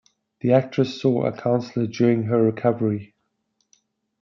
The actress saw a counsellor during her recovery.